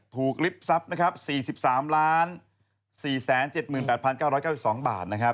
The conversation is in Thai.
ถูกริบทรัพย์๔๓๔๗๘๙๙๒บาท